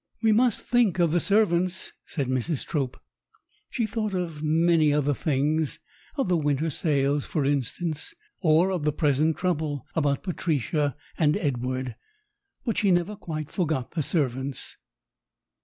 "We must think of the servants," said Mrs. Trope. She thought of many other things of the winter sales, for instance, or of the present trouble about Patricia and, Edward but she never quite forgot the servants.